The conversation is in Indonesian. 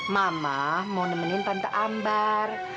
mama mau nemenin pantai ambar